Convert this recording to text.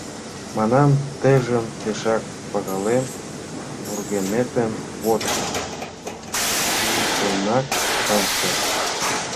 Манам: «Тыйжым пешак пагалем, вургеметым вот чытенак ом керт».